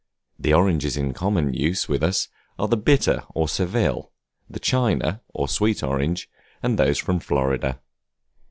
The oranges in common use with us are the bitter or Seville, the China or sweet orange, and those from Florida.